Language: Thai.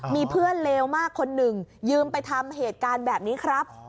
มีเพื่อนเลวมากคนหนึ่งยืมไปทำเหตุการณ์แบบนี้ครับ